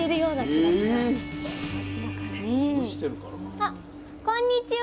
あっこんにちは！